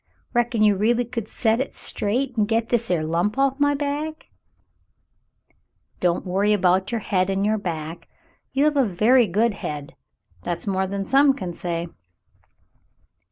^ Reckon you r'aly could set hit straight an' get this 'er lump off'n my back V "Don't worry about your head and your back. You have a very good head. That's more than some can say.'